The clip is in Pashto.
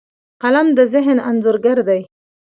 قلم د ذهن انځورګر دی